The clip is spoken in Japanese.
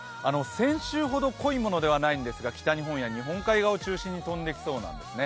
先週ほど濃いものではないんですが北日本や日本海側を中心に飛んできそうなんですね